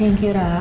thank you ra